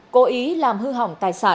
cố ý làm hư hỏng tài sản